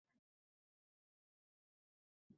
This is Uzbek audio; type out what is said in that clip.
Bu xalqning hafsalasi o‘ta past edi.